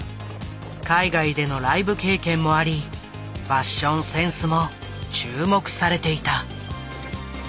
海外でのライブ経験もありファッションセンスも注目されていた。